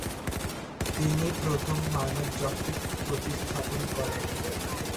তিনি প্রথম মানব যকৃত প্রতিস্থাপন করেন।